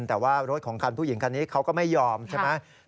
แต่ว่ารถของคันผู้หญิงคันนี้เขาก็ไม่ยอมใช่ไหม